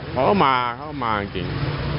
เขาก็มาเขาก็มาจริง